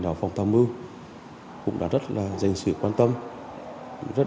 đạo phòng tham mưu cũng đã rất là dành sự quan tâm rất đặc biệt đối với công tác hỗ trợ chính sách và